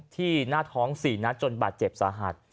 ที่หน้าท้อง๔นัดจนบาดเจ็บสาหัส